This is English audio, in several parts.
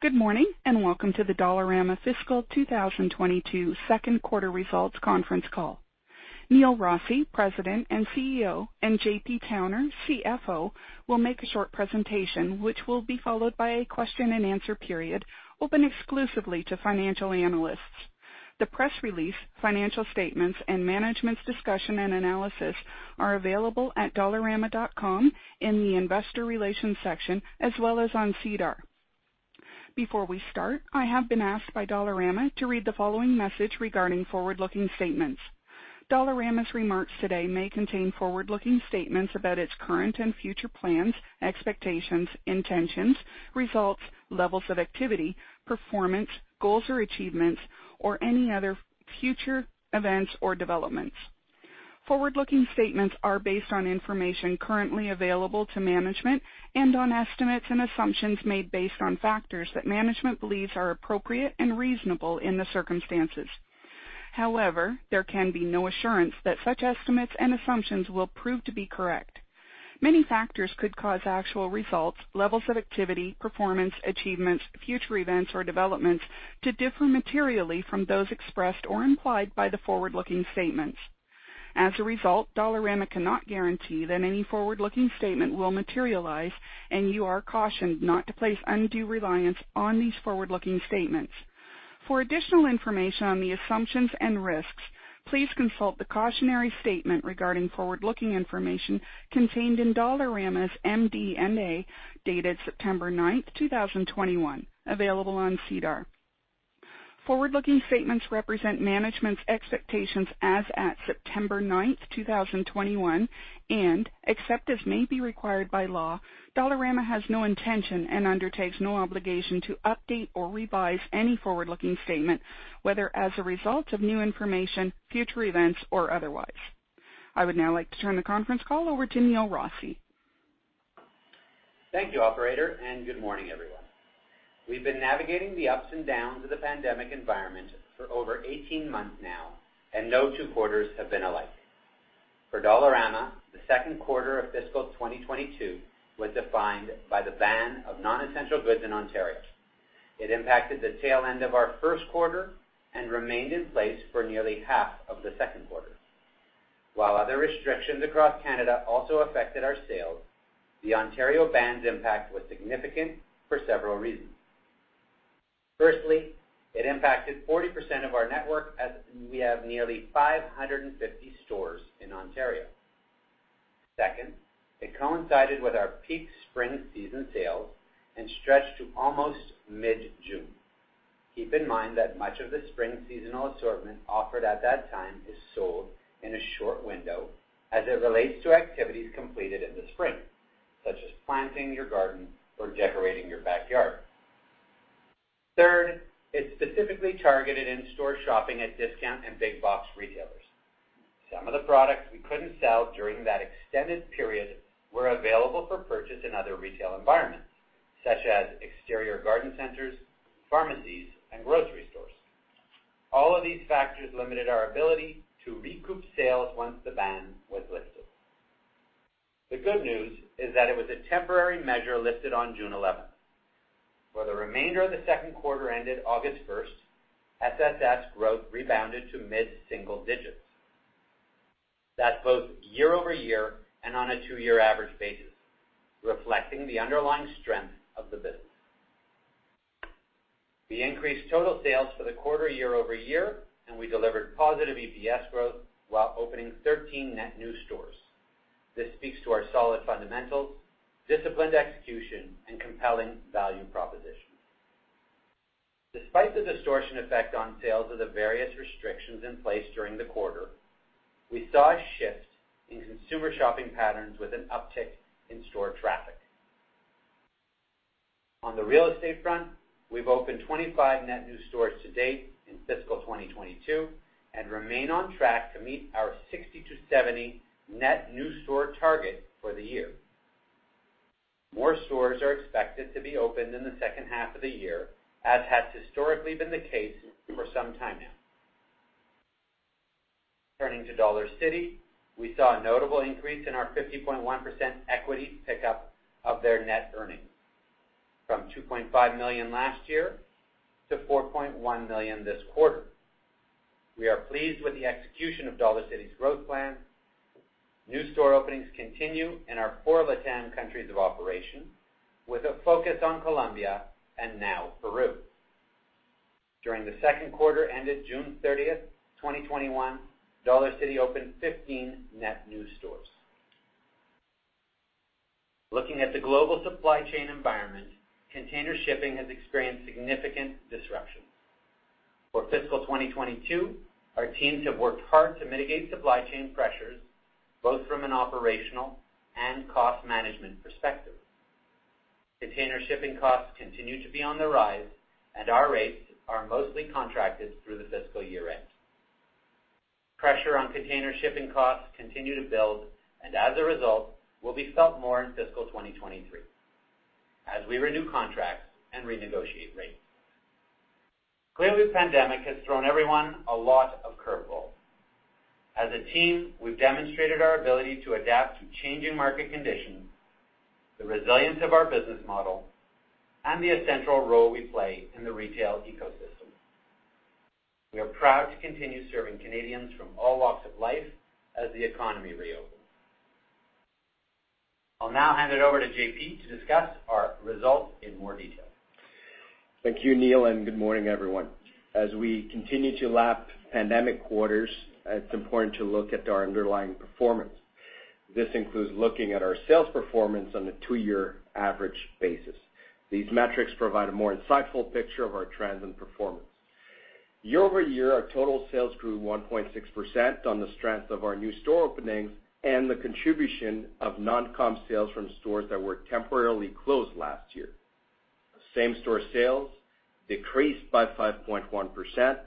Good morning, and welcome to the Dollarama Fiscal 2022 Second Quarter Results Conference Call. Neil Rossy, President and CEO, and J.P. Towner, CFO, will make a short presentation, which will be followed by a question and answer period open exclusively to financial analysts. The press release, financial statements, and Management's Discussion and Analysis are available at dollarama.com in the investor relations section, as well as on SEDAR. Before we start, I have been asked by Dollarama to read the following message regarding forward-looking statements. Dollarama's remarks today may contain forward-looking statements about its current and future plans, expectations, intentions, results, levels of activity, performance, goals, or achievements, or any other future events or developments. Forward-looking statements are based on information currently available to management and on estimates and assumptions made based on factors that management believes are appropriate and reasonable in the circumstances. However, there can be no assurance that such estimates and assumptions will prove to be correct. Many factors could cause actual results, levels of activity, performance, achievements, future events or developments to differ materially from those expressed or implied by the forward-looking statements. As a result, Dollarama cannot guarantee that any forward-looking statement will materialize, and you are cautioned not to place undue reliance on these forward-looking statements. For additional information on the assumptions and risks, please consult the cautionary statement regarding forward-looking information contained in Dollarama's MD&A, dated September 9th, 2021, available on SEDAR. Forward-looking statements represent management's expectations as at September 9th, 2021, and except as may be required by law, Dollarama has no intention and undertakes no obligation to update or revise any forward-looking statement, whether as a result of new information, future events, or otherwise. I would now like to turn the conference call over to Neil Rossy. Thank you, operator, and good morning, everyone. We've been navigating the ups and downs of the pandemic environment for over 18 months now. No two quarters have been alike. For Dollarama, the second quarter of Fiscal 2022 was defined by the ban of non-essential goods in Ontario. It impacted the tail end of our first quarter and remained in place for nearly half of the second quarter. While other restrictions across Canada also affected our sales, the Ontario ban's impact was significant for several reasons. Firstly, it impacted 40% of our network as we have nearly 550 stores in Ontario. Second, it coincided with our peak spring season sales and stretched to almost mid-June. Keep in mind that much of the spring seasonal assortment offered at that time is sold in a short window as it relates to activities completed in the spring, such as planting your garden or decorating your backyard. Third, it specifically targeted in-store shopping at discount and big box retailers. Some of the products we couldn't sell during that extended period were available for purchase in other retail environments, such as exterior garden centers, pharmacies, and grocery stores. All of these factors limited our ability to recoup sales once the ban was lifted. The good news is that it was a temporary measure lifted on June 11th. For the remainder of the second quarter ended August first, SSS growth rebounded to mid-single digits. That's both year-over-year and on a two-year average basis, reflecting the underlying strength of the business. We increased total sales for the quarter year-over-year, and we delivered positive EPS growth while opening 13 net new stores. This speaks to our solid fundamentals, disciplined execution, and compelling value proposition. Despite the distortion effect on sales of the various restrictions in place during the quarter, we saw a shift in consumer shopping patterns with an uptick in store traffic. On the real estate front, we've opened 25 net new stores to date in Fiscal 2022 and remain on track to meet our 60-70 net new store target for the year. More stores are expected to be opened in the second half of the year, as has historically been the case for some time now. Turning to Dollarcity, we saw a notable increase in our 50.1% equity pickup of their net earnings. From 2.5 million last year to 4.1 million this quarter. We are pleased with the execution of Dollarcity's growth plan. New store openings continue in our four LATAM countries of operation, with a focus on Colombia and now Peru. During the second quarter ended June 30th, 2021, Dollarcity opened 15 net new stores. Looking at the global supply chain environment, container shipping has experienced significant disruption. For Fiscal 2022, our teams have worked hard to mitigate supply chain pressures, both from an operational and cost management perspective. Container shipping costs continue to be on the rise, and our rates are mostly contracted through the fiscal year-end. Pressure on container shipping costs continue to build, and as a result, will be felt more in Fiscal 2023 as we renew contracts and renegotiate rates. Clearly, the pandemic has thrown everyone a lot of curveballs. As a team, we've demonstrated our ability to adapt to changing market conditions, the resilience of our business model, and the essential role we play in the retail ecosystem. We are proud to continue serving Canadians from all walks of life as the economy reopens. I'll now hand it over to J.P. to discuss our results in more detail. Thank you, Neil, and good morning, everyone. As we continue to lap pandemic quarters, it's important to look at our underlying performance. This includes looking at our sales performance on a two-year average basis. These metrics provide a more insightful picture of our trends and performance. Year-over-year, our total sales grew 1.6% on the strength of our new store openings and the contribution of non-comp sales from stores that were temporarily closed last year. Same-store sales decreased by 5.1%.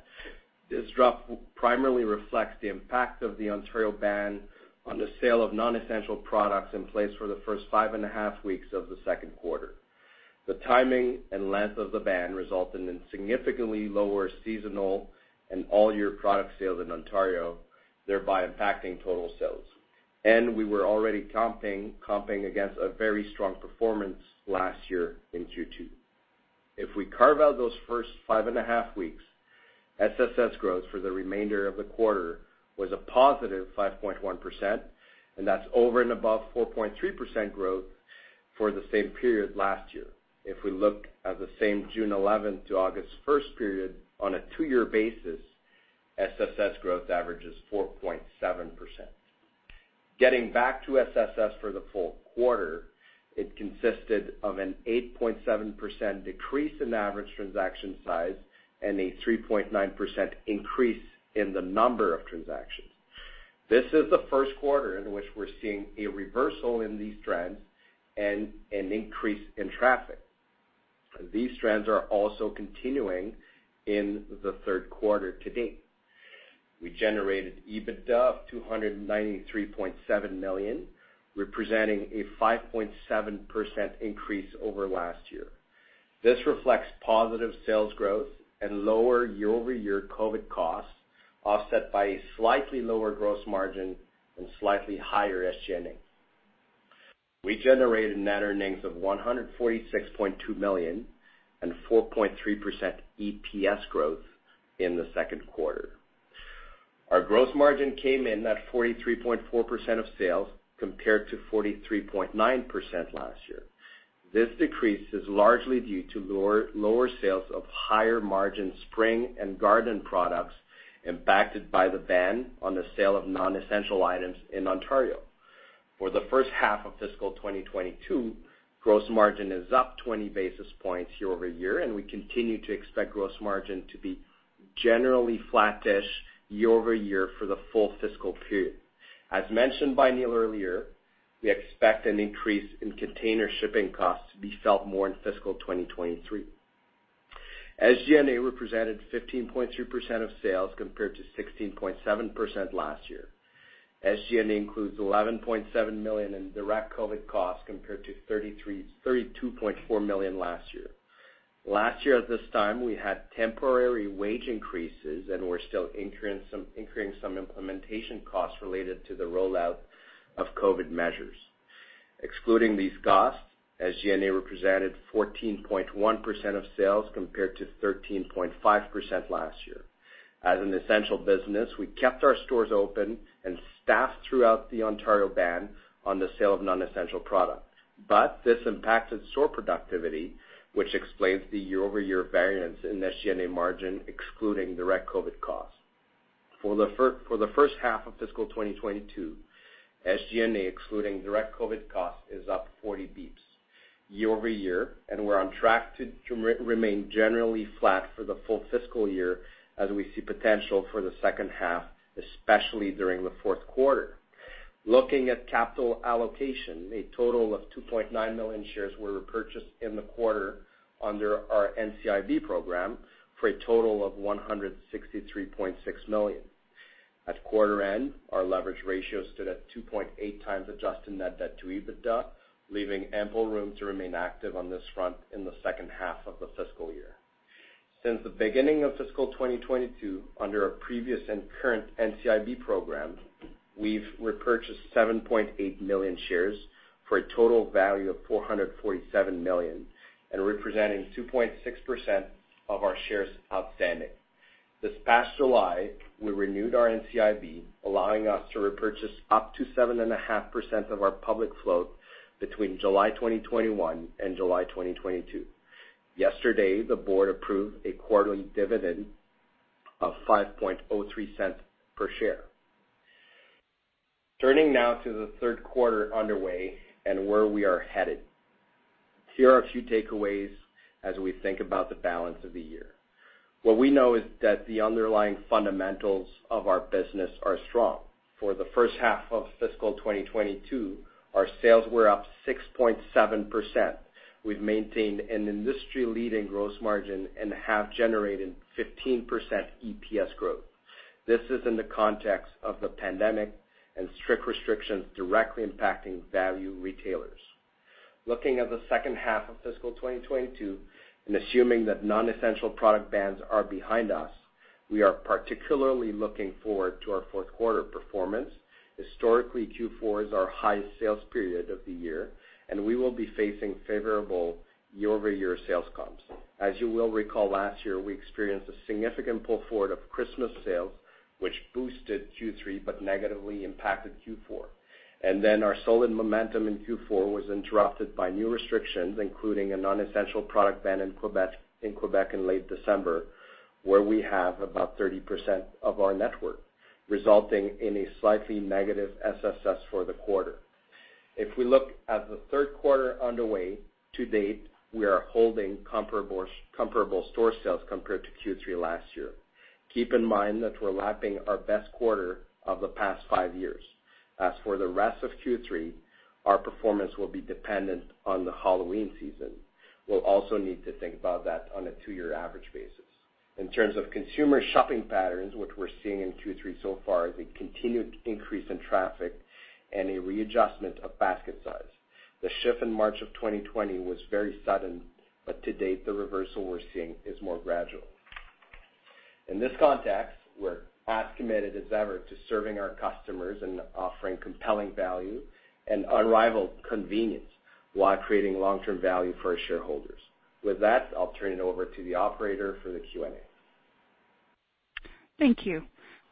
This drop primarily reflects the impact of the Ontario ban on the sale of non-essential products in place for the first five and a half weeks of the second quarter. The timing and length of the ban resulted in significantly lower seasonal and all year product sales in Ontario, thereby impacting total sales. We were already comping against a very strong performance last year in Q2. If we carve out those first five and a half weeks, SSS growth for the remainder of the quarter was a +5.1%, and that's over and above 4.3% growth for the same period last year. If we look at the same June 11th to August 1st period on a two-year basis, SSS growth averages 4.7%. Getting back to SSS for the full quarter, it consisted of an 8.7% decrease in average transaction size and a 3.9% increase in the number of transactions. This is the first quarter in which we're seeing a reversal in these trends and an increase in traffic. These trends are also continuing in the third quarter to date. We generated EBITDA of 293.7 million, representing a 5.7% increase over last year. This reflects positive sales growth and lower year-over-year COVID costs, offset by a slightly lower gross margin and slightly higher SG&A. We generated net earnings of 146.2 million and 4.3% EPS growth in the second quarter. Our gross margin came in at 43.4% of sales, compared to 43.9% last year. This decrease is largely due to lower sales of higher margin spring and garden products impacted by the ban on the sale of non-essential items in Ontario. For the first half of Fiscal 2022, gross margin is up 20 basis points year-over-year, and we continue to expect gross margin to be generally flat-ish year-over-year for the full fiscal period. As mentioned by Neil earlier, we expect an increase in container shipping costs to be felt more in Fiscal 2023. SG&A represented 15.3% of sales, compared to 16.7% last year. SG&A includes 11.7 million in direct COVID costs, compared to 32.4 million last year. Last year at this time, we had temporary wage increases, and we're still incurring some implementation costs related to the rollout of COVID measures. Excluding these costs, SG&A represented 14.1% of sales, compared to 13.5% last year. As an essential business, we kept our stores open and staffed throughout the Ontario ban on the sale of non-essential products. This impacted store productivity, which explains the year-over-year variance in SG&A margin, excluding direct COVID costs. For the first half of Fiscal 2022, SG&A, excluding direct COVID costs, is up 40 bps year-over-year, and we're on track to remain generally flat for the full fiscal year as we see potential for the second half, especially during the fourth quarter. Looking at capital allocation, a total of 2.9 million shares were repurchased in the quarter under our NCIB program, for a total of 163.6 million. At quarter end, our leverage ratio stood at 2.8x adjusted net debt to EBITDA, leaving ample room to remain active on this front in the second half of the fiscal year. Since the beginning of Fiscal 2022, under our previous and current NCIB program, we've repurchased 7.8 million shares for a total value of 447 million, and representing 2.6% of our shares outstanding. This past July, we renewed our NCIB, allowing us to repurchase up to 7.5% of our public float between July 2021 and July 2022. Yesterday, the board approved a quarterly dividend of 0.0503 per share. Turning now to the third quarter underway and where we are headed. Here are a few takeaways as we think about the balance of the year. What we know is that the underlying fundamentals of our business are strong. For the first half of Fiscal 2022, our sales were up 6.7%. We've maintained an industry-leading gross margin and have generated 15% EPS growth. This is in the context of the pandemic and strict restrictions directly impacting value retailers. Looking at the second half of Fiscal 2022, and assuming that non-essential product bans are behind us, we are particularly looking forward to our fourth quarter performance. Historically, Q4 is our highest sales period of the year, and we will be facing favorable year-over-year sales comps. As you will recall, last year, we experienced a significant pull forward of Christmas sales, which boosted Q3 but negatively impacted Q4. Our solid momentum in Q4 was interrupted by new restrictions, including a non-essential product ban in Quebec in late December, where we have about 30% of our network, resulting in a slightly negative SSS for the quarter. If we look at the third quarter underway, to date, we are holding comparable store sales compared to Q3 last year. Keep in mind that we're lapping our best quarter of the past five years. As for the rest of Q3, our performance will be dependent on the Halloween season. We'll also need to think about that on a two-year average basis. In terms of consumer shopping patterns, what we're seeing in Q3 so far is a continued increase in traffic and a readjustment of basket size. The shift in March of 2020 was very sudden, but to date, the reversal we're seeing is more gradual. In this context, we're as committed as ever to serving our customers and offering compelling value and unrivaled convenience while creating long-term value for our shareholders. With that, I'll turn it over to the operator for the Q&A. Thank you.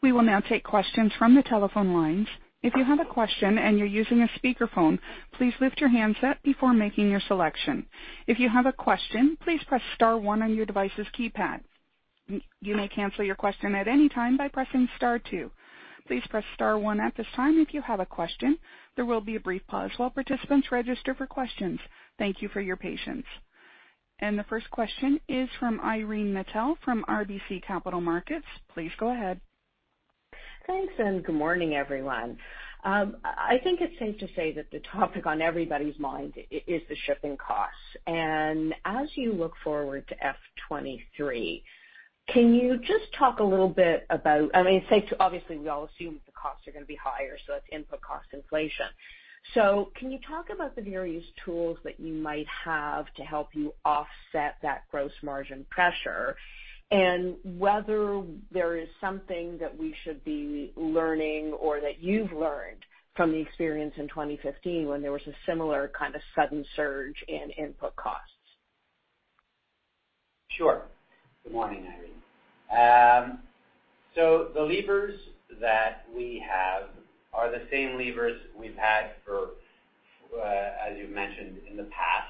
We will now take questions from the telephone lines. If you have a question and you're using a speakerphone, please lift your handset before making your selection. If you have a question, please press star one on your device's keypad. You may cancel your question at any time by pressing star two. Please press star one at this time if you have a question. There will be a brief pause while participants register for questions. Thank you for your patience. The first question is from Irene Nattel from RBC Capital Markets. Please go ahead. Thanks. Good morning, everyone. I think it's safe to say that the topic on everybody's mind is the shipping costs. As you look forward to FY 2023, can you just talk a little bit about obviously, we all assume that the costs are going to be higher, so that's input cost inflation. Can you talk about the various tools that you might have to help you offset that gross margin pressure? Whether there is something that we should be learning or that you've learned from the experience in 2015 when there was a similar kind of sudden surge in input costs. Sure. Good morning, Irene. The levers that we have are the same levers we've had for, as you mentioned, in the past,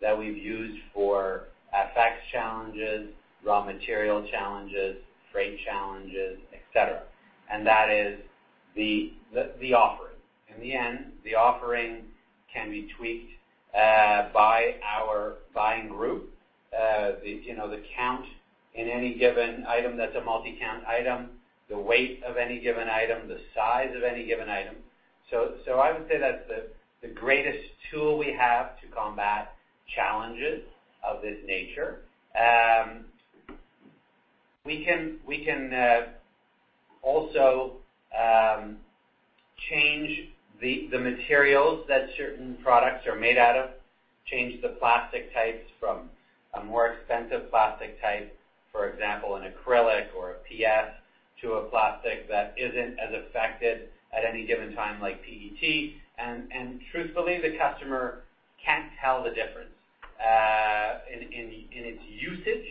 that we've used for FX challenges, raw material challenges, freight challenges, et cetera. That is the offering. In the end, the offering can be tweaked by our buying group. The count in any given item that's a multi-count item, the weight of any given item, the size of any given item. I would say that's the greatest tool we have to combat challenges of this nature. We can also change the materials that certain products are made out of, change the plastic types from a more expensive plastic type, for example, an acrylic or a PS, to a plastic that isn't as affected at any given time, like PET. Truthfully, the customer can't tell the difference in its usage,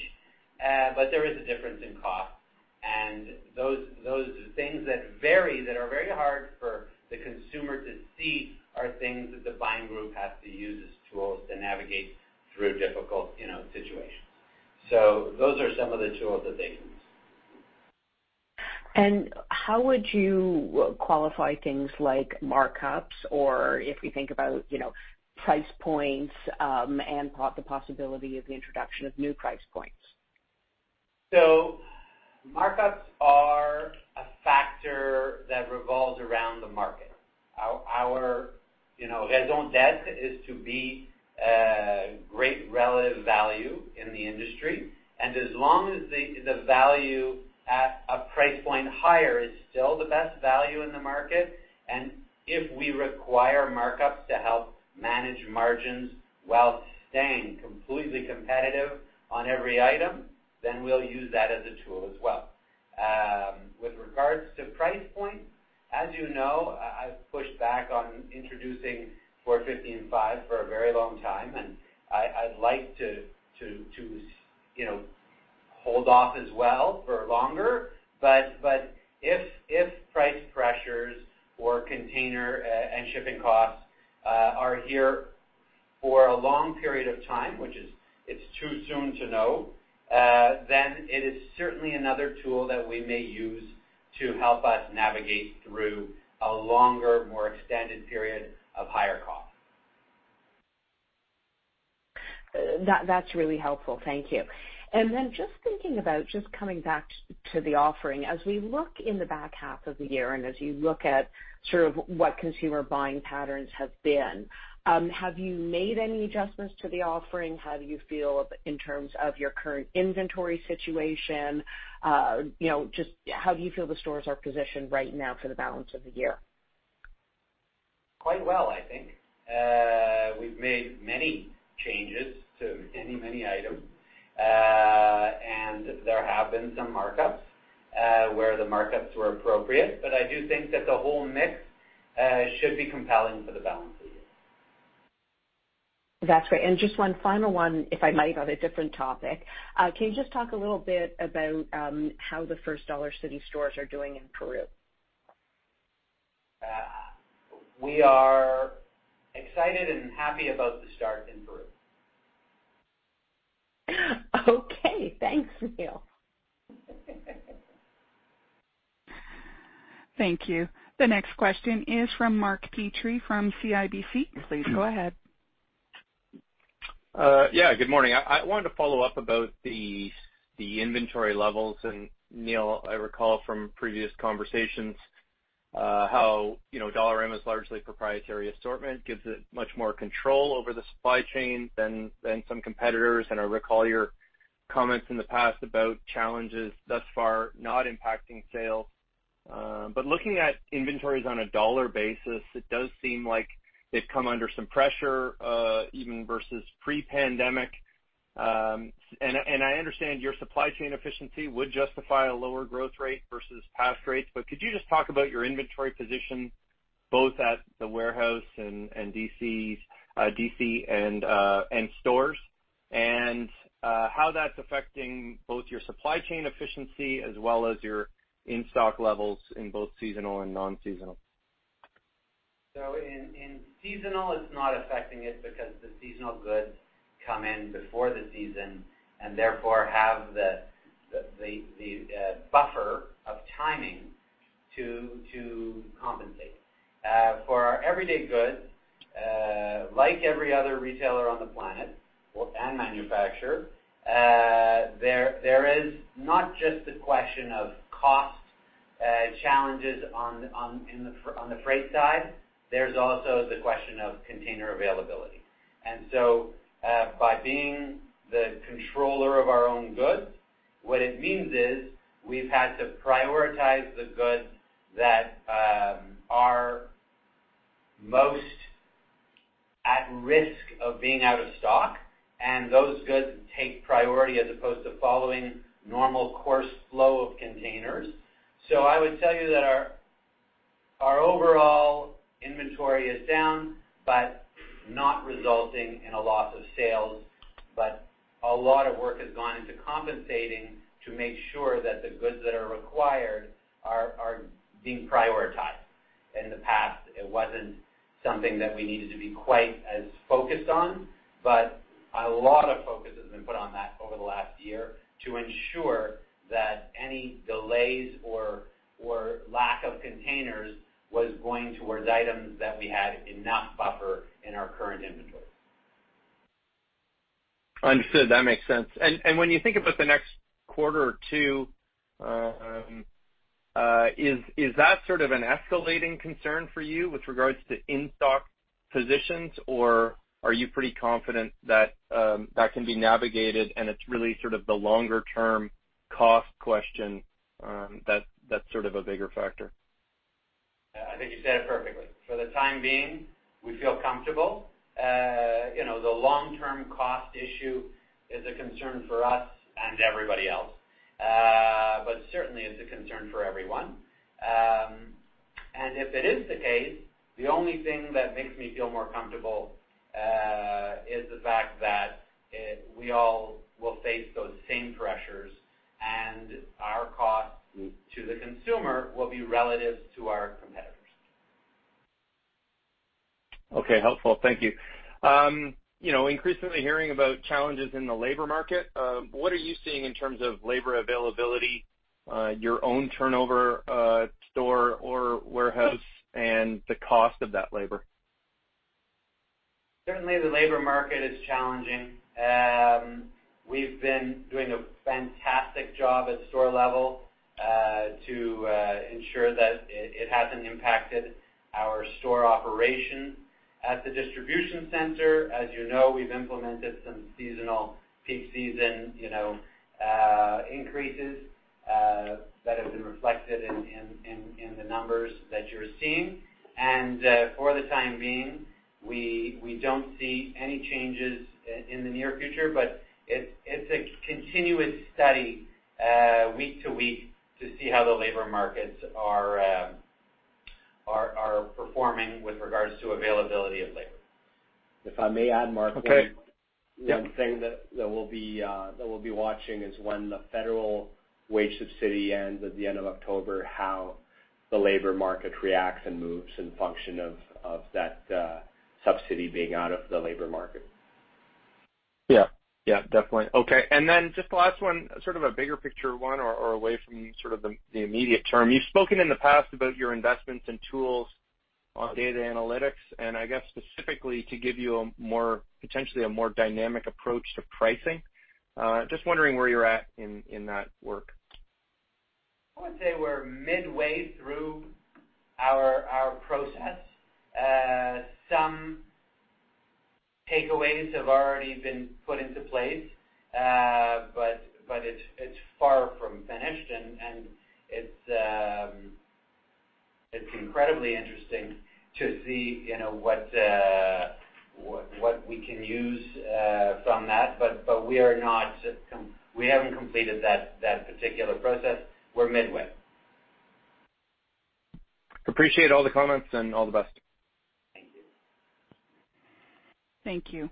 but there is a difference in cost. Those things that vary, that are very hard for the consumer to see, are things that the buying group has to use as tools to navigate through a difficult situation. Those are some of the tools that they use. How would you qualify things like markups or if we think about price points and the possibility of the introduction of new price points? Markups are a factor that revolves around the market. Our raison d'etre is to be a great relative value in the industry, and as long as the value at a price point higher is still the best value in the market, and if we require markups to help manage margins while staying completely competitive on every item, then we'll use that as a tool as well. With regards to price point, as you know, I've pushed back on introducing 4.55 for a very long time, and I'd like to hold off as well for longer. If price pressures or container and shipping costs are here for a long period of time, which it's too soon to know, then it is certainly another tool that we may use to help us navigate through a longer, more extended period of higher costs. That's really helpful. Thank you. Just thinking about coming back to the offering, as we look in the back half of the year and as you look at sort of what consumer buying patterns have been, have you made any adjustments to the offering? How do you feel in terms of your current inventory situation? Just how do you feel the stores are positioned right now for the balance of the year? quite well, I think. We've made many changes to many items, and there have been some markups where the markups were appropriate, but I do think that the whole mix should be compelling for the balance of the year. That's great. Just one final one, if I might, on a different topic. Can you just talk a little bit about how the first Dollarcity stores are doing in Peru? We are excited and happy about the start in Peru. Okay. Thanks, Neil. Thank you. The next question is from Mark Petrie from CIBC. Please go ahead. Yeah, good morning. I wanted to follow up about the inventory levels. Neil, I recall from previous conversations how Dollarama's largely proprietary assortment gives it much more control over the supply chain than some competitors, and I recall your comments in the past about challenges thus far not impacting sales. Looking at inventories on a dollar basis, it does seem like they've come under some pressure, even versus pre-pandemic. I understand your supply chain efficiency would justify a lower growth rate versus past rates, but could you just talk about your inventory position, both at the warehouse and DC and stores, and how that's affecting both your supply chain efficiency as well as your in-stock levels in both seasonal and non-seasonal? In seasonal, it's not affecting it because the seasonal goods come in before the season, and therefore have the buffer of timing to compensate. For our everyday goods, like every other retailer on the planet, and manufacturer, there is not just the question of cost challenges on the freight side, there's also the question of container availability. By being the controller of our own goods, what it means is we've had to prioritize the goods that are most at risk of being out of stock, and those goods take priority as opposed to following normal course flow of containers. I would tell you that our overall inventory is down, but not resulting in a loss of sales. A lot of work has gone into compensating to make sure that the goods that are required are being prioritized. In the past, it wasn't something that we needed to be quite as focused on, but a lot of focus has been put on that over the last year to ensure that any delays or lack of containers was going towards items that we had enough buffer in our current inventory. Understood. That makes sense. When you think about the next quarter or two, is that sort of an escalating concern for you with regards to in-stock positions? Or are you pretty confident that that can be navigated and it's really sort of the longer-term cost question that's sort of a bigger factor? I think you said it perfectly. For the time being, we feel comfortable. The long-term cost issue is a concern for us and everybody else. Certainly, it's a concern for everyone. If it is the case, the only thing that makes me feel more comfortable is the fact that we all will face those same pressures, and our cost to the consumer will be relative to our competitors. Okay, helpful. Thank you. Increasingly hearing about challenges in the labor market. What are you seeing in terms of labor availability, your own turnover store or warehouse, and the cost of that labor? Certainly, the labor market is challenging. We've been doing a fantastic job at store level to ensure that it hasn't impacted our store operation. At the distribution center, as you know, we've implemented some seasonal peak season increases that have been reflected in the numbers that you're seeing. For the time being, we don't see any changes in the near future, but it's a continuous study, week to week, to see how the labor markets are performing with regards to availability of labor. If I may add, Mark. Okay. Yep One thing that we'll be watching is when the federal wage subsidy ends at the end of October, how the labor market reacts and moves in function of that subsidy being out of the labor market. Yeah. Definitely. Okay. Then just the last one, sort of a bigger picture one or away from sort of the immediate term. You've spoken in the past about your investments in tools on data analytics, and I guess specifically to give you potentially a more dynamic approach to pricing. Just wondering where you're at in that work. I would say we're midway through our process. Some takeaways have already been put into place, but it's far from finished, and it's incredibly interesting to see what we can use from that. We haven't completed that particular process. We're midway. Appreciate all the comments and all the best. Thank you. Thank you.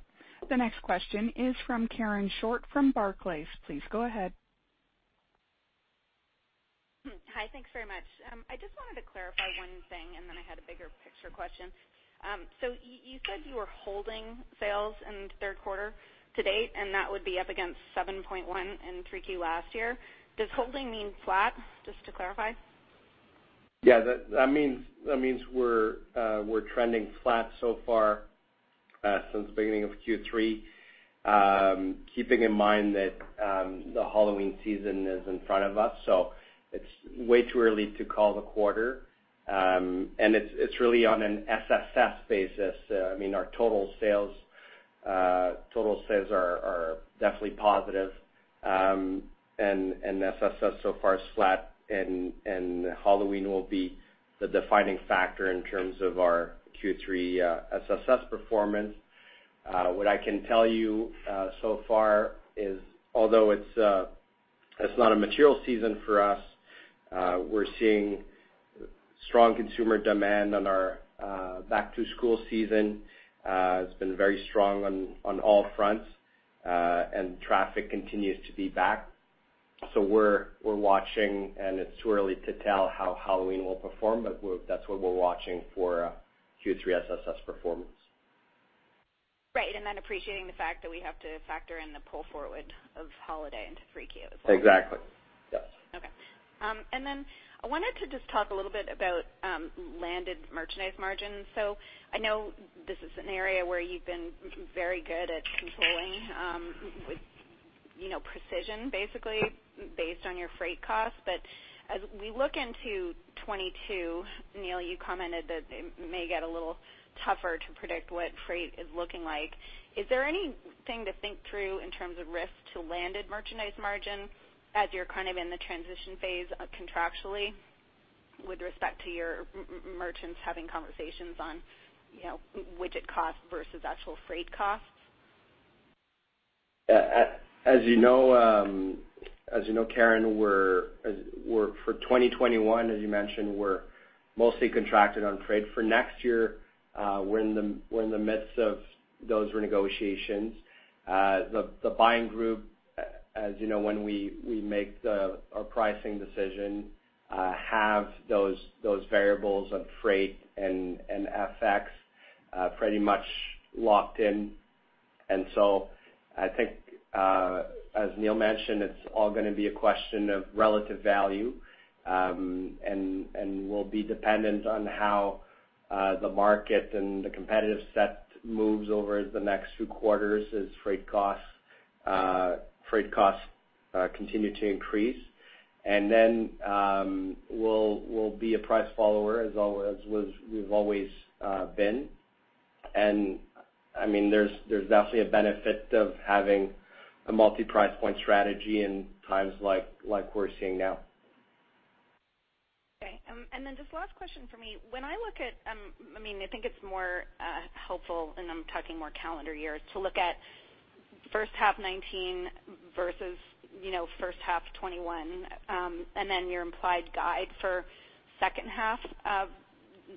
The next question is from Karen Short from Barclays. Please go ahead. Hi, thanks very much. I just wanted to clarify one thing, and then I had a bigger picture question. You said you were holding sales in the third quarter to date, and that would be up against 7.1% in Q3 last year. Does holding mean flat, just to clarify? That means we're trending flat so far since the beginning of Q3, keeping in mind that the Halloween season is in front of us, so it's way too early to call the quarter. It's really on an SSS basis. Our total sales are definitely positive, and SSS so far is flat, and Halloween will be the defining factor in terms of our Q3 SSS performance. What I can tell you so far is, although it's not a material season for us, we're seeing strong consumer demand on our back-to-school season. It's been very strong on all fronts, and traffic continues to be back. We're watching, and it's too early to tell how Halloween will perform, but that's what we're watching for Q3 SSS performance. Right. Then appreciating the fact that we have to factor in the pull forward of holiday into Q3 as well. Exactly. Yes. Okay. Then I wanted to just talk a little bit about landed merchandise margins. I know this is an area where you've been very good at controlling with precision, basically, based on your freight costs. As we look into 2022, Neil, you commented that it may get a little tougher to predict what freight is looking like. Is there anything to think through in terms of risk to landed merchandise margin as you're kind of in the transition phase contractually with respect to your merchants having conversations on widget cost versus actual freight costs? As you know, Karen, for 2021, as you mentioned, we're mostly contracted on freight. For next year, we're in the midst of those renegotiations. The buying group, as you know, when we make our pricing decision, have those variables of freight and FX pretty much locked in. I think, as Neil mentioned, it's all going to be a question of relative value, and will be dependent on how the market and the competitive set moves over the next few quarters as freight costs continue to increase. Then we'll be a price follower as we've always been. There's definitely a benefit of having a multi-price point strategy in times like we're seeing now. Okay. Just last question from me. I think it's more helpful, I'm talking more calendar years, to look at first half 2019 versus first half 2021, your implied guide for second half of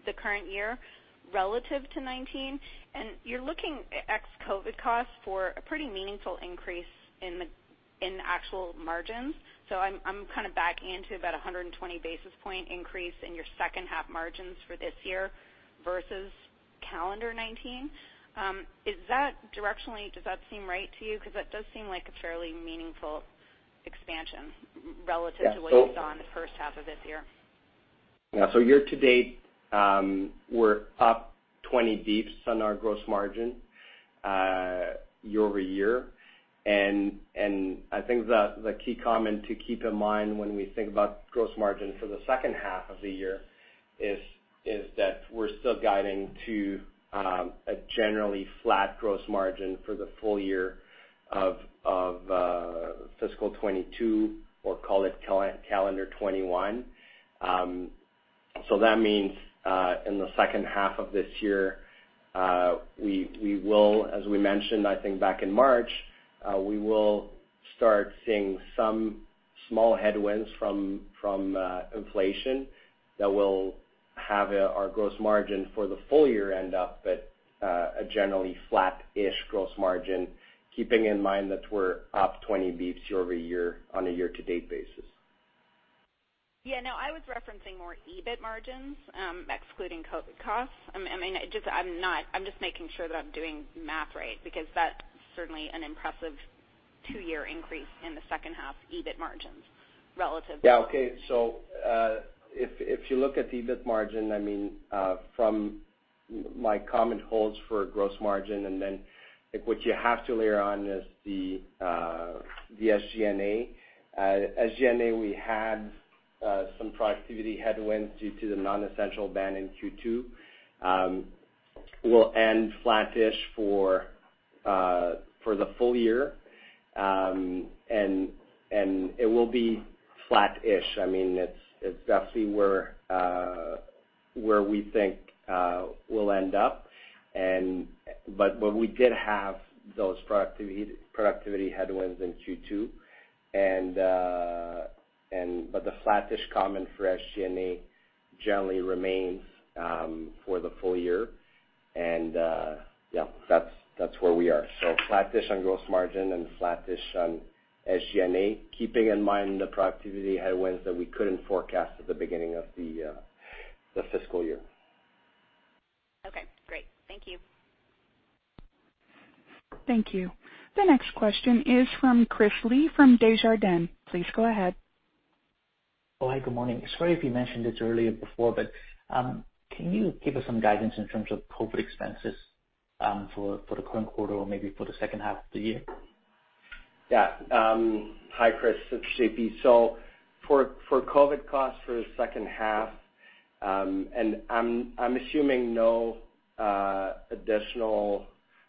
the current year relative to 2019. You're looking at ex-COVID costs for a pretty meaningful increase in actual margins. I'm kind of backing into about 120 basis point increase in your second half margins for this year versus calendar 2019. Directionally, does that seem right to you? Because that does seem like a fairly meaningful expansion relative to what you saw in the first half of this year. Yeah. Year-to-date, we're up 20 bps on our gross margin year-over-year. I think the key comment to keep in mind when we think about gross margin for the second half of the year is that we're still guiding to a generally flat gross margin for the full year of Fiscal 2022, or call it calendar 2021. That means, in the second half of this year, as we mentioned, I think, back in March, we will start seeing some small headwinds from inflation that will have our gross margin for the full year end up, but a generally flat-ish gross margin, keeping in mind that we're up 20 bps year-over-year on a year-to-date basis. Yeah. No, I was referencing more EBIT margins, excluding COVID costs. I'm just making sure that I'm doing math right, because that's certainly an impressive two-year increase in the second half EBIT margins relative. Yeah. Okay. If you look at the EBIT margin, from my comment holds for gross margin, and then what you have to layer on is the SG&A. SG&A, we had some productivity headwinds due to the non-essential ban in Q2. We'll end flat-ish for the full year, and it will be flat-ish. It's definitely where we think we'll end up, but we did have those productivity headwinds in Q2. The flat-ish comment for SG&A generally remains for the full year. Yeah, that's where we are. Flat-ish on gross margin and flat-ish on SG&A, keeping in mind the productivity headwinds that we couldn't forecast at the beginning of the fiscal year. Okay, great. Thank you. Thank you. The next question is from Chris Li from Desjardins. Please go ahead. Oh, hi. Good morning. Sorry if you mentioned this earlier before, but can you give us some guidance in terms of COVID expenses for the current quarter or maybe for the second half of the year? Hi, Chris, it's J.P. For COVID costs for the second half, and I'm assuming no additional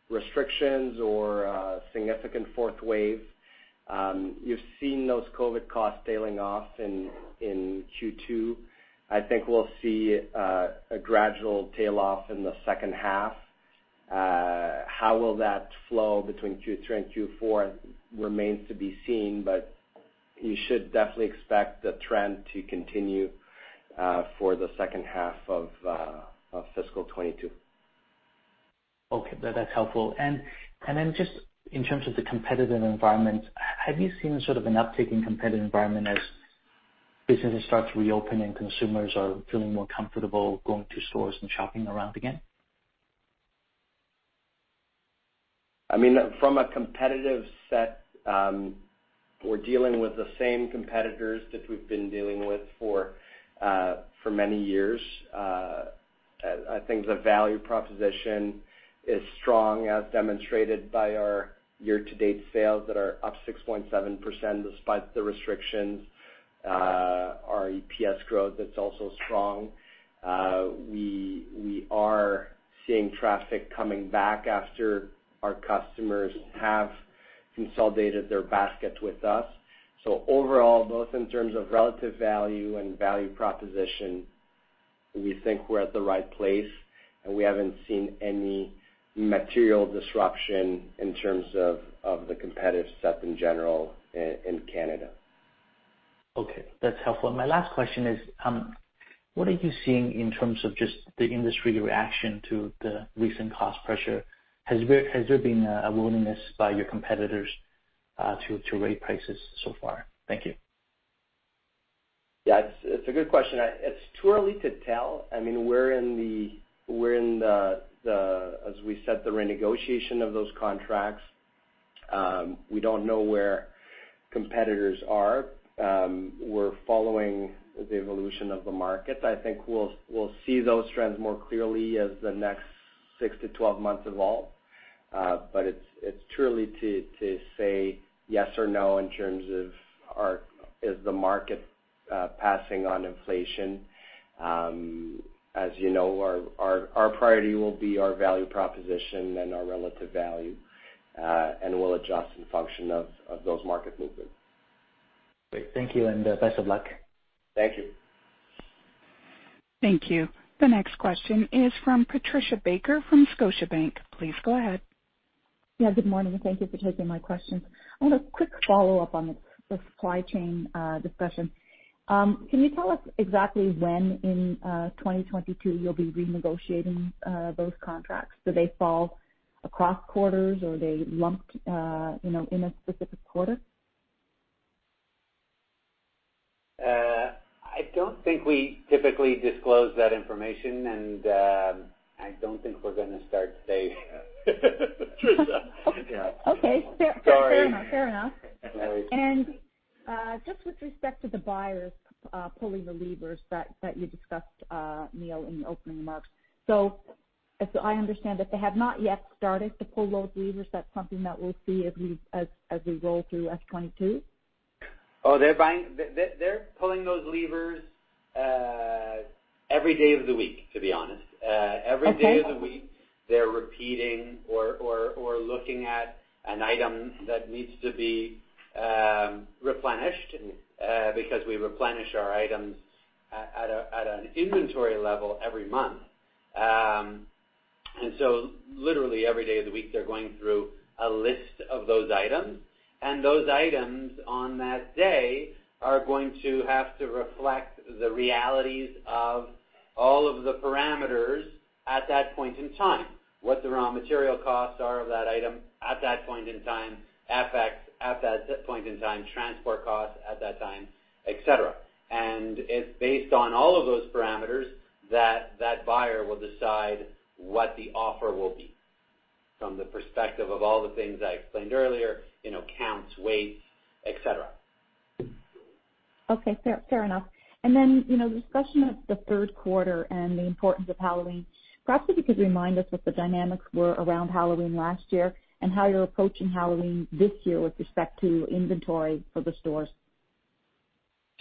restrictions or a significant fourth wave. You've seen those COVID costs tailing off in Q2. I think we'll see a gradual tail off in the second half. How will that flow between Q3 and Q4 remains to be seen, you should definitely expect the trend to continue for the second half of Fiscal 2022. Okay. That's helpful. Just in terms of the competitive environment, have you seen sort of an uptick in competitive environment as businesses start to reopen and consumers are feeling more comfortable going to stores and shopping around again? From a competitive set, we're dealing with the same competitors that we've been dealing with for many years. I think the value proposition is strong as demonstrated by our year-to-date sales that are up 6.7% despite the restrictions, our EPS growth that's also strong. We are seeing traffic coming back after our customers have consolidated their basket with us. Overall, both in terms of relative value and value proposition, we think we're at the right place and we haven't seen any material disruption in terms of the competitive set in general in Canada. Okay. That's helpful. My last question is, what are you seeing in terms of just the industry reaction to the recent cost pressure? Has there been a willingness by your competitors to raise prices so far? Thank you. Yeah, it's a good question. It's too early to tell. We're in the, as we said, the renegotiation of those contracts. We don't know where competitors are. We're following the evolution of the market. I think we'll see those trends more clearly as the next six to 12 months evolve. It's too early to say yes or no in terms of is the market passing on inflation. As you know, our priority will be our value proposition and our relative value, and we'll adjust in function of those market movements. Great. Thank you, and best of luck. Thank you. Thank you. The next question is from Patricia Baker from Scotiabank. Please go ahead. Good morning, and thank you for taking my questions. I want a quick follow-up on the supply chain discussion. Can you tell us exactly when in 2022 you'll be renegotiating those contracts? Do they fall across quarters, or are they lumped in a specific quarter? I don't think we typically disclose that information, I don't think we're going to start today. Patricia. Okay. Sorry. Fair enough. Sorry. Just with respect to the buyers pulling the levers that you discussed, Neil Rossy, in the opening remarks. As I understand it, they have not yet started to pull those levers. That's something that we'll see as we roll through S22? Oh, they're pulling those levers every day of the week, to be honest. Okay. Every day of the week, they're repeating or looking at an item that needs to be replenished because we replenish our items at an inventory level every month. Literally every day of the week, they're going through a list of those items, and those items on that day are going to have to reflect the realities of all of the parameters at that point in time, what the raw material costs are of that item at that point in time, FX at that point in time, transport costs at that time, et cetera. It's based on all of those parameters that that buyer will decide what the offer will be from the perspective of all the things I explained earlier, counts, weights, et cetera. Okay. Fair enough. The discussion of the third quarter and the importance of Halloween, perhaps you could remind us what the dynamics were around Halloween last year and how you're approaching Halloween this year with respect to inventory for the stores?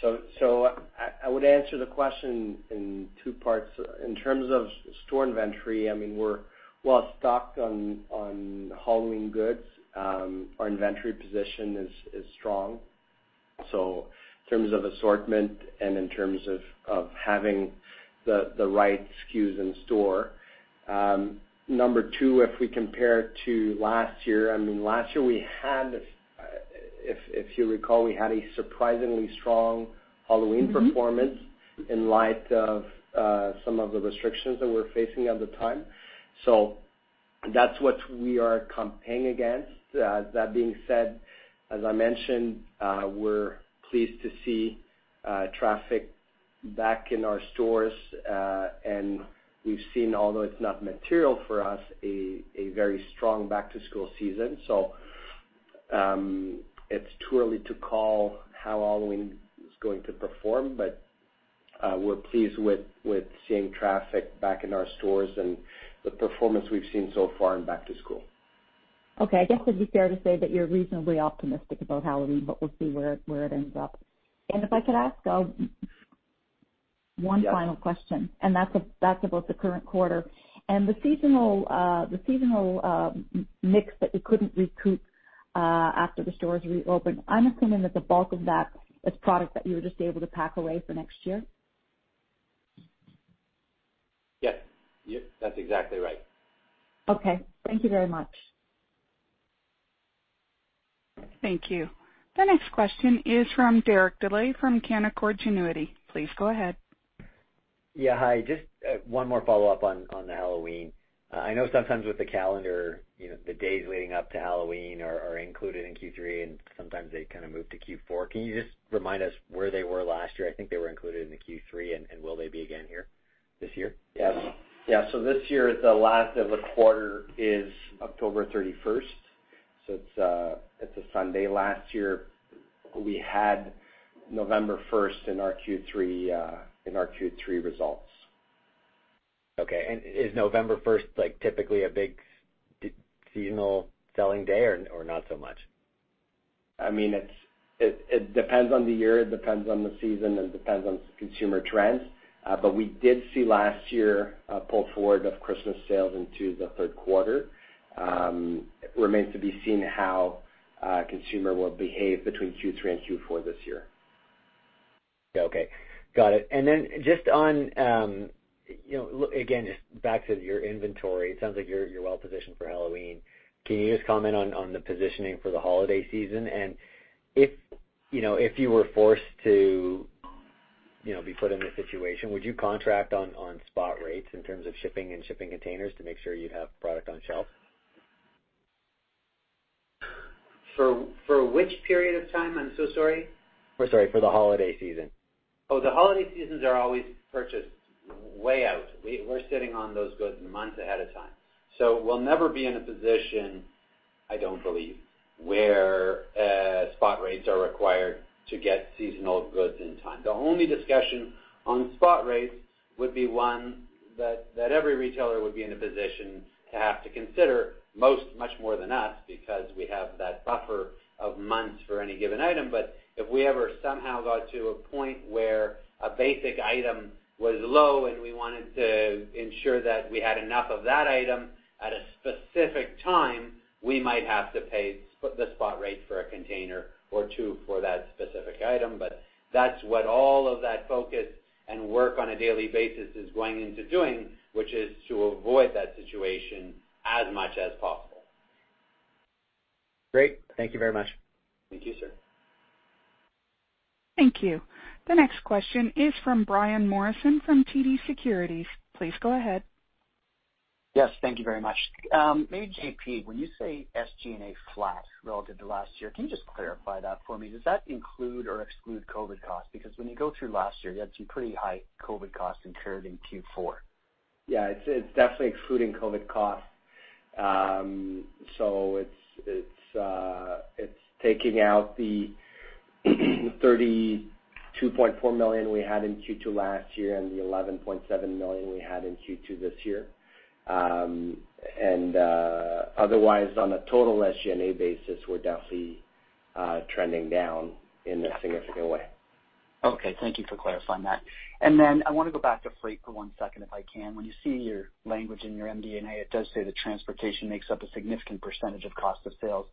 I would answer the question in two parts. In terms of store inventory, we're well-stocked on Halloween goods. Our inventory position is strong, so in terms of assortment and in terms of having the right SKUs in store. Number two, if we compare to last year, last year, if you recall, we had a surprisingly strong Halloween performance in light of some of the restrictions that we were facing at the time. That's what we are comparing against. That being said, as I mentioned, we're pleased to see traffic back in our stores. We've seen, although it's not material for us, a very strong back-to-school season. It's too early to call how Halloween is going to perform, but we're pleased with seeing traffic back in our stores and the performance we've seen so far in back-to-school. Okay. I guess it'd be fair to say that you're reasonably optimistic about Halloween, but we'll see where it ends up. If I could ask one final question, and that's about the current quarter and the seasonal mix that you couldn't recoup after the stores reopened. I'm assuming that the bulk of that is product that you were just able to pack away for next year. Yes, that's exactly right. Okay. Thank you very much. Thank you. The next question is from Derek Dley from Canaccord Genuity. Please go ahead. Hi. Just one more follow-up on Halloween. I know sometimes with the calendar, the days leading up to Halloween are included in Q3, and sometimes they kind of move to Q4. Can you just remind us where they were last year? I think they were included in the Q3. Will they be again here this year? Yeah. This year, the last of the quarter is October 31st, so it's a Sunday. Last year, we had November 1st in our Q3 results. Okay. Is November 1st typically a big seasonal selling day or not so much? It depends on the year, it depends on the season, it depends on consumer trends. We did see last year a pull forward of Christmas sales into the third quarter. It remains to be seen how consumer will behave between Q3 and Q4 this year. Okay. Got it. Then just on, again, just back to your inventory, it sounds like you're well positioned for Halloween. Can you just comment on the positioning for the holiday season? If you were forced to be put in this situation, would you contract on spot rates in terms of shipping and shipping containers to make sure you have product on shelf? For which period of time? I'm so sorry. Oh, sorry. For the holiday season. Oh, the holiday seasons are always purchased way out. We're sitting on those goods months ahead of time. We'll never be in a position, I don't believe, where spot rates are required to get seasonal goods in time. The only discussion on spot rates would be one that every retailer would be in a position to have to consider, most much more than us, because we have that buffer of months for any given item. If we ever somehow got to a point where a basic item was low and we wanted to ensure that we had enough of that item at a specific time, we might have to pay the spot rate for a container or two for that specific item. That's what all of that focus and work on a daily basis is going into doing, which is to avoid that situation as much as possible. Great. Thank you very much. Thank you, sir. Thank you. The next question is from Brian Morrison from TD Securities. Please go ahead. Yes, thank you very much. J.P., when you say SG&A flat relative to last year, can you just clarify that for me? Does that include or exclude COVID costs? When you go through last year, you had some pretty high COVID costs incurred in Q4. Yeah, it's definitely excluding COVID costs. It's taking out the 32.4 million we had in Q2 last year and the 11.7 million we had in Q2 this year. Otherwise, on a total SG&A basis, we're definitely trending down in a significant way. Okay. Thank you for clarifying that. I want to go back to freight for one second if I can. When you see your language in your MD&A, it does say that transportation makes up a significant percent of cost of sales.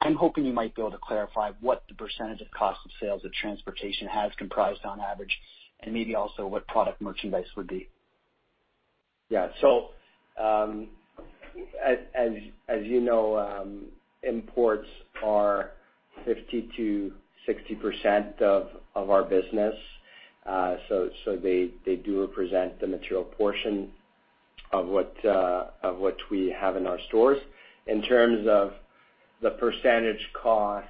I'm hoping you might be able to clarify what the percent of cost of sales that transportation has comprised on average, and maybe also what product merchandise would be. Yeah. As you know, imports are 50%-60% of our business. They do represent the material portion of what we have in our stores. In terms of the percentage costs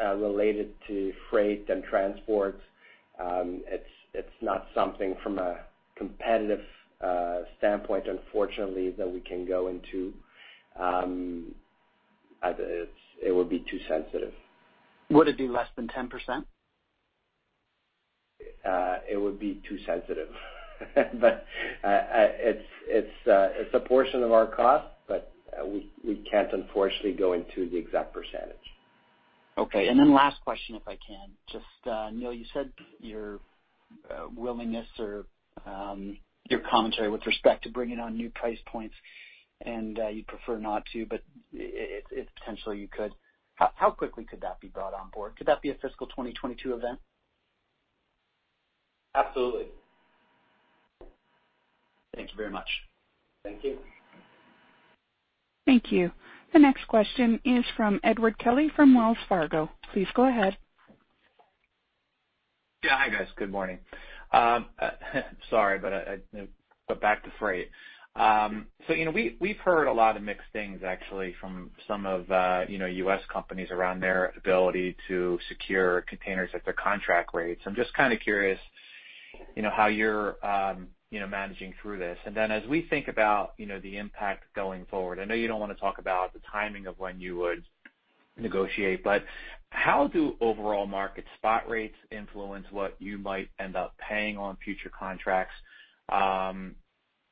related to freight and transport, it's not something from a competitive standpoint, unfortunately, that we can go into. It would be too sensitive. Would it be less than 10%? It would be too sensitive. It's a portion of our cost, but we can't unfortunately go into the exact percentage. Okay. Last question, if I can. Neil, you said your willingness or your commentary with respect to bringing on new price points, and you'd prefer not to, but if potentially you could, how quickly could that be brought on board? Could that be a Fiscal 2022 event? Absolutely. Thank you very much. Thank you. Thank you. The next question is from Edward Kelly from Wells Fargo. Please go ahead. Yeah. Hi, guys. Good morning. Sorry, back to freight. We've heard a lot of mixed things actually from some of U.S. companies around their ability to secure containers at their contract rates. I'm just curious how you're managing through this. Then as we think about the impact going forward, I know you don't want to talk about the timing of when you would negotiate, but how do overall market spot rates influence what you might end up paying on future contracts?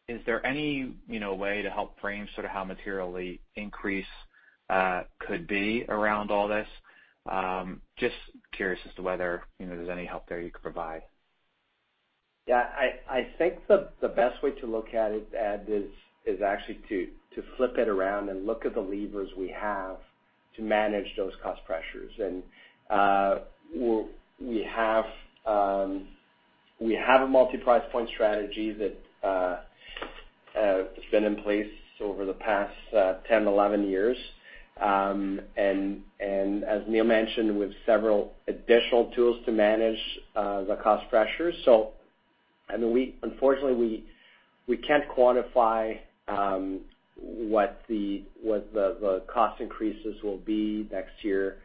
Is there any way to help frame how materially increase could be around all this? Just curious as to whether there's any help there you could provide. I think the best way to look at it, Ed, is actually to flip it around and look at the levers we have to manage those cost pressures. We have a multi-price point strategy that has been in place over the past 10, 11 years. As Neil mentioned, with several additional tools to manage the cost pressures. Unfortunately, we can't quantify what the cost increases will be next year,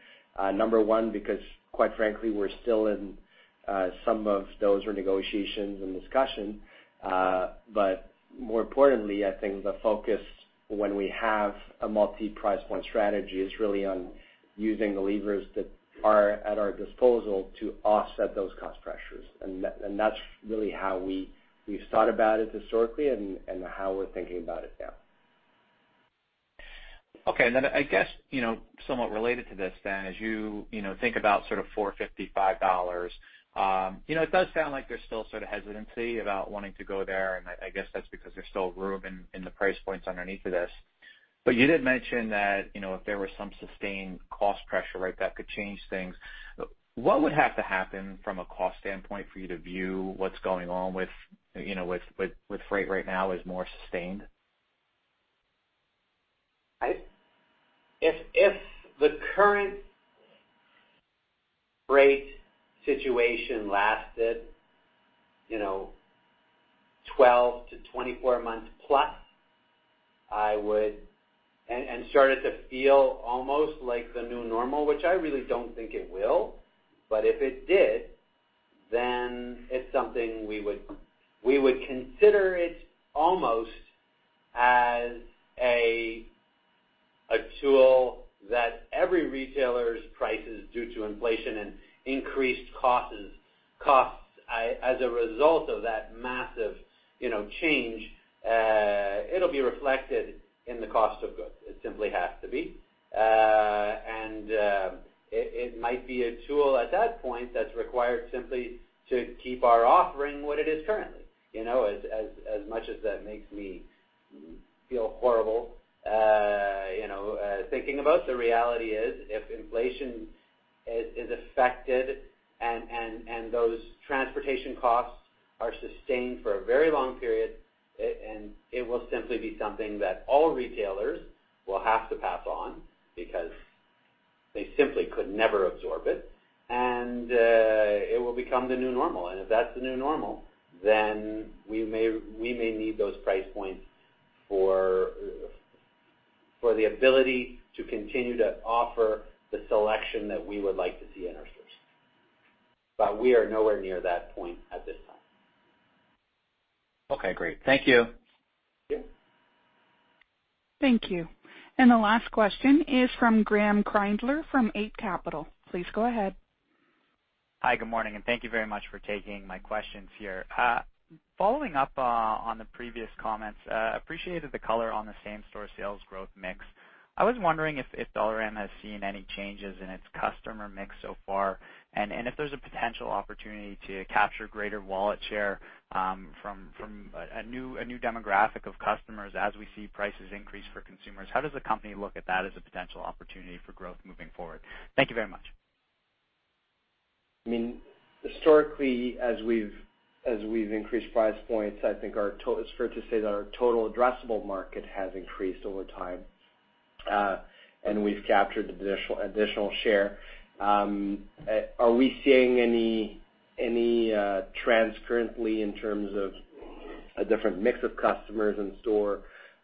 number one, because quite frankly, we're still in some of those negotiations and discussion. More importantly, I think the focus when we have a multi-price point strategy is really on using the levers that are at our disposal to offset those cost pressures. That's really how we've thought about it historically and how we're thinking about it now. Okay. I guess, somewhat related to this then, as you think about 4.50 dollars, 5 dollars, it does sound like there's still sort of hesitancy about wanting to go there, and I guess that's because there's still room in the price points underneath of this. You did mention that if there was some sustained cost pressure that could change things. What would have to happen from a cost standpoint for you to view what's going on with freight right now as more sustained? If the current rate situation lasted 12-24 months plus, and started to feel almost like the new normal, which I really don't think it will, but if it did, then it's something we would consider it almost as a tool that every retailer's prices due to inflation and increased costs as a result of that massive change, it'll be reflected in the cost of goods. It simply has to be. It might be a tool at that point that's required simply to keep our offering what it is currently. As much as that makes me feel horrible thinking about, the reality is, if inflation is affected and those transportation costs are sustained for a very long period, it will simply be something that all retailers will have to pass on because they simply could never absorb it, and it will become the new normal. If that's the new normal, then we may need those price points for the ability to continue to offer the selection that we would like to see in our stores. We are nowhere near that point at this time. Okay, great. Thank you. Yeah. Thank you. The last question is from Graeme Kreindler from Eight Capital. Please go ahead. Hi, good morning, and thank you very much for taking my questions here. Following up on the previous comments, appreciated the color on the same-store sales growth mix. I was wondering if Dollarama has seen any changes in its customer mix so far, and if there's a potential opportunity to capture greater wallet share from a new demographic of customers as we see prices increase for consumers. How does the company look at that as a potential opportunity for growth moving forward? Thank you very much. Historically, as we've increased price points, I think it's fair to say that our total addressable market has increased over time and we've captured additional share. Are we seeing any trends currently in terms of a different mix of customers in store?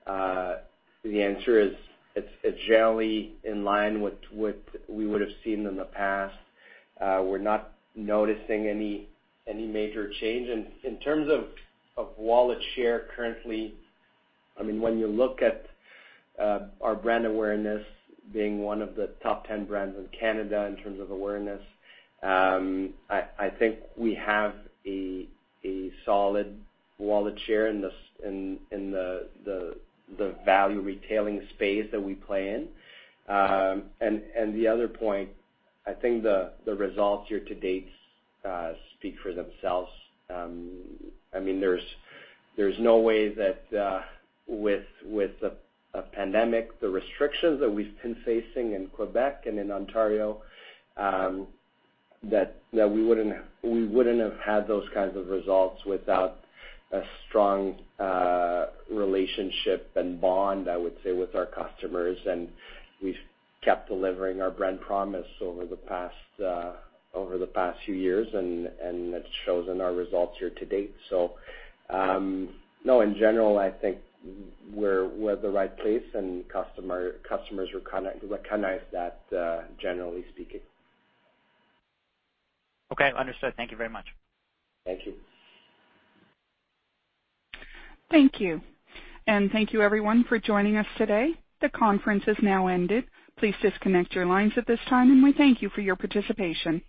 The answer is it's generally in line with what we would've seen in the past. We're not noticing any major change. In terms of wallet share currently, when you look at our brand awareness being one of the top 10 brands in Canada in terms of awareness, I think we have a solid wallet share in the value retailing space that we play in. The other point, I think the results year to date speak for themselves. There's no way that with a pandemic, the restrictions that we've been facing in Quebec and in Ontario, that we wouldn't have had those kinds of results without a strong relationship and bond, I would say, with our customers. We've kept delivering our brand promise over the past few years, and it shows in our results year to date. No, in general, I think we're at the right place and customers recognize that, generally speaking. Okay, understood. Thank you very much. Thank you. Thank you. Thank you everyone for joining us today. The conference has now ended. Please disconnect your lines at this time, and we thank you for your participation.